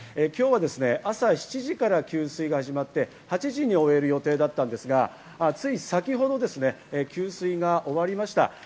今日は朝７時から給水が始まって、８時に終える予定だったんですが、つい先程、給水が終わりました。